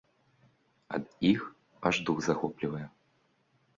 Ад іх аж дух захоплівае.